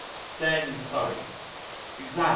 Staying in Surrey. Exam.